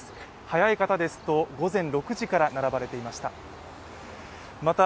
早い方ですと午前６時から並ばれていました。